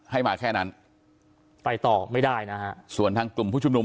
ให้มาแค่นั้นไปต่อไม่ได้นะฮะส่วนทางกลุ่มผู้ชุมนุม